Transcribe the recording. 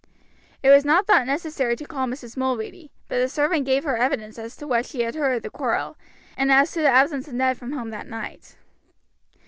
It was not thought necessary to call Mrs. Mulready; but the servant gave her evidence as to what she had heard of the quarrel, and as to the absence of Ned from home that night.